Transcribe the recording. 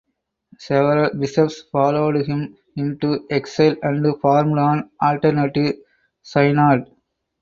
Several bishops followed him into exile and formed an alternative synod.